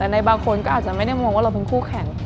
ในบางคนก็อาจไม่มองว่าเราคู่แข่ง